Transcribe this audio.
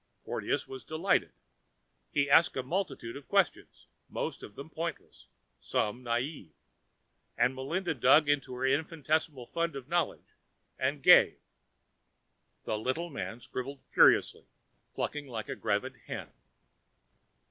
Porteous was delighted. He asked a multitude of questions, most of them pointless, some naive, and Melinda dug into her infinitesimal fund of knowledge and gave. The little man scribbled furiously, clucking like a gravid hen.